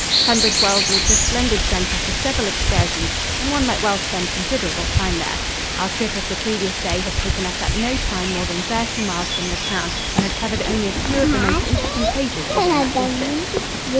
Tunbridge Wells makes a splendid center for several excursions and one might well spend considerable time there. Our trip of the previous day had taken us at no time more than thirty miles from the town and had covered only a few of the most interesting places within that distance.